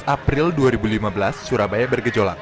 delapan belas april dua ribu lima belas surabaya bergejolak